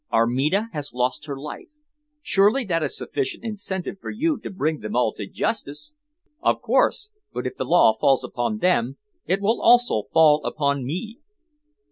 "Armida has lost her life. Surely that is sufficient incentive for you to bring them all to justice?" "Of course. But if the law falls upon them, it will also fall upon me."